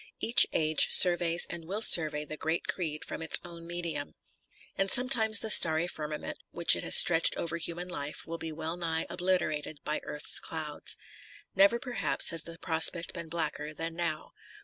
Each age surveys and will survey the great creed from its own medium. And sometimes the starry firmament which it has stretched over human life will be well nigh obliterated by earth's clouds. Never perhaps has the prospect been blacker than now.